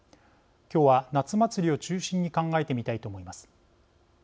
きょうは、夏祭りを中心に考えてみたいと思います。